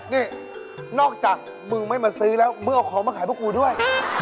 นี่นอกจากมึงไม่มาซื้อแล้วมึงเอาของมาขายพวกกูด้วย